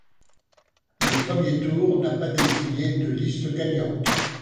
Le premier tour n'a pas désigné de liste gagnante.